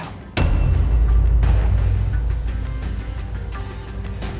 aku harus cari tau